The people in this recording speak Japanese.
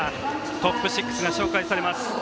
トップ６が紹介されます。